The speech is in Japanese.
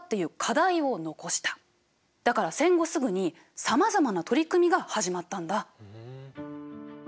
だから戦後すぐにさまざまな取り組みが始まったんだ。